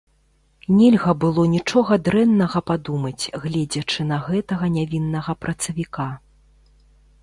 Нельга было нічога дрэннага падумаць, гледзячы на гэтага нявіннага працавіка.